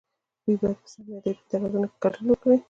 دوی باید په سم نیت په اعتراضونو کې ګډون وکړي.